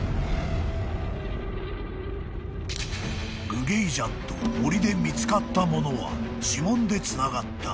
［グゲイジャンと森で見つかったものは指紋でつながった］